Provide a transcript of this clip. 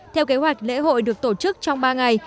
theo kế hoạch lễ hội được tổ chức trong ba ngày